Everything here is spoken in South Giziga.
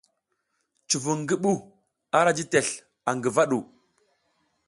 Cuvung ngi ɓuh ara ji tesl aƞ ngəva ɗu.